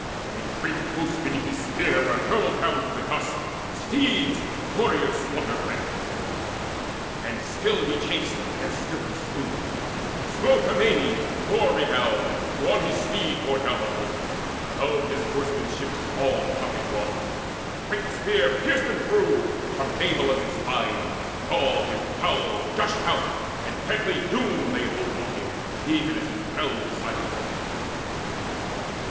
For a great host beneath his spear were hurled Down to the dust, steeds, warriors slaughter blent. And still he chased, and still he slew: he smote Amides war renowned, who on his steed Bore down on him, but of his horsemanship Small profit won. The bright spear pierced him through From navel unto spine, and all his bowels Gushed out, and deadly Doom laid hold on him Even as he fell beside his horse's feet.